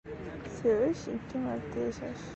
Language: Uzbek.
• Sevish — ikki marta yashash.